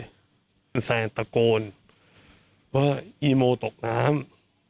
คุณแซนตะโกนว่าอีโมตกน้ำ